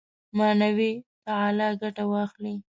معنوي تعالي ګټه واخلي.